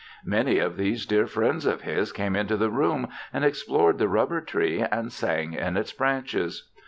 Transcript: Many of these dear friends of his came into the room and explored the rubber tree and sang in its branches.